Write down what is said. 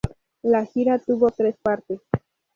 La gira tuvo tres partes.